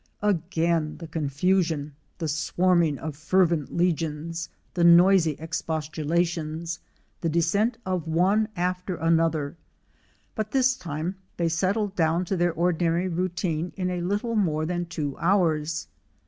Again the confusion, the swarm ing of fervent legions, the noisy expostulations, the descent of one after another; but this time they settled down to their ordinary routine in a little more than two hours.